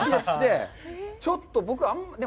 ちょっと僕あんまり。